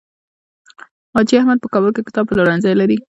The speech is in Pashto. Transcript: حاجي احمد په کابل کې کتاب پلورنځی لري.